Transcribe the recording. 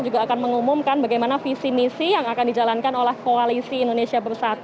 juga akan mengumumkan bagaimana visi misi yang akan dijalankan oleh koalisi indonesia bersatu